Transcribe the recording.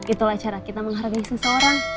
itulah cara kita menghargai seseorang